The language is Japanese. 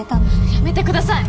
やめてください！